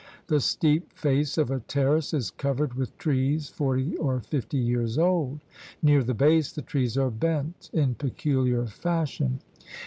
The steep face of a terrace is covered with trees forty or fifty years old. Near the base the trees are bent in peculiar fashion.